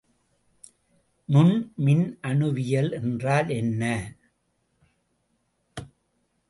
நுண் மின்னணுவியல் என்றால் என்ன?